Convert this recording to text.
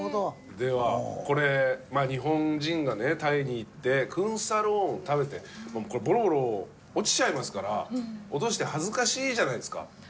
ではこれ日本人がねタイに行ってクンサローンを食べてボロボロ落ちちゃいますから落として恥ずかしいじゃないですか。